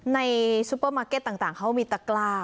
ซุปเปอร์มาร์เก็ตต่างเขามีตะกล้า